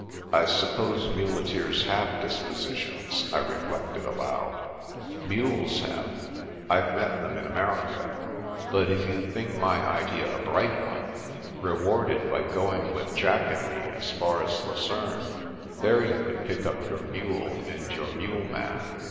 "I suppose muleteers have dispositions," I re flected aloud. " Mules have. I've met them in America. But Woman Disposes ii if you think my idea a bright one, reward it by go ing with Jack and me as far as Lucerae. There you can pick up your mule and your mule man."